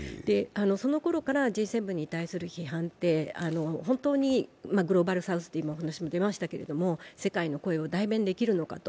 そのころからＧ７に対する批判って、グローバルサウスの話が今、出ましたけれども、本当に世界の声を代弁できるのかと。